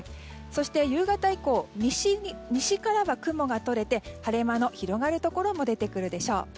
そして、夕方以降西からは雲が取れて晴れ間の広がるところも出てくるでしょう。